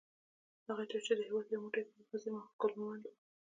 هغه چا چې دا هیواد یو موټی کړ هغه وزیر محمد ګل مومند وو